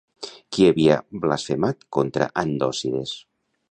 Qui havia blasfemat contra Andòcides?